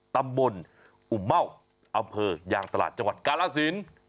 ตำบลอุ่มเม่าอำเภอยางตลาดจังหวัดกาลสิน